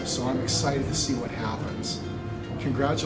jadi saya sangat terkesan untuk melihat apa yang akan terjadi